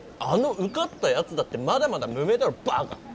あの受かったやつだってまだまだ無名だろばか！